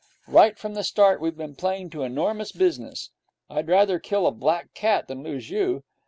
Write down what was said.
Right from the start we've been playing to enormous business. I'd rather kill a black cat than lose you.